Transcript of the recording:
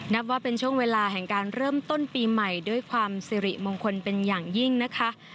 นับว่าเป็นช่วงเวลาแห่งการเริ่มต้นปีใหม่ด้วยความสิริมงคลเป็นอย่างยิ่งนะคะ